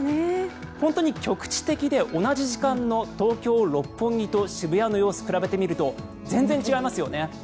本当に局地的で同じ時間の東京・六本木と渋谷の様子を比べてみると全然違いますよね。